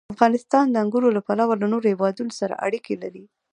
افغانستان د انګورو له پلوه له نورو هېوادونو سره اړیکې لري.